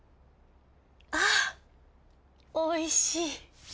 あおいしい。